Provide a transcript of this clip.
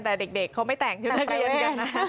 แต่เด็กเขาไม่แต่งชุดนักเรียนกันนะ